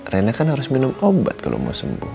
rena kan harus minum obat kalau mau sembuh